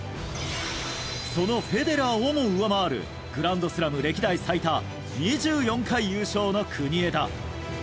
そのフェデラーをも上回るグランドスラム歴代最多２４回優勝の国枝。